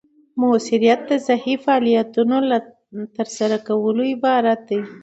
مؤثریت د صحیح فعالیتونو له ترسره کولو عبارت دی.